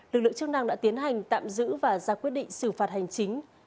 lực lượng chức năng đã tiến hành tạm giữ và ra quyết định xử phạt hành chính